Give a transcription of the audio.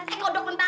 eh kodok bentar